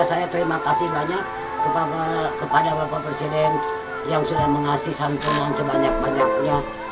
saya terima kasih banyak kepada bapak presiden yang sudah mengasih santunan sebanyak banyaknya